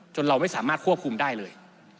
เราไม่สามารถควบคุมได้เลย